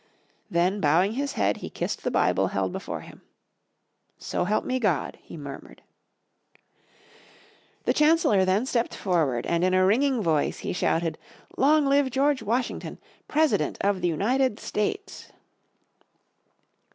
Then bowing his head he kissed the Bible help before him. "So help me God," he murmured. The Chancellor then stepped forward and in a ringing voice he shouted, "Long live George Washington, President of the United States."